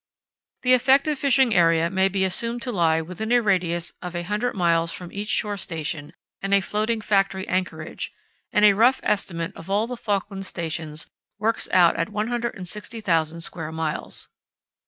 The effective fishing area may be assumed to lie within a radius of a hundred miles from each shore station and floating factory anchorage, and a rough estimate of all the Falkland stations works out at 160,000 square miles.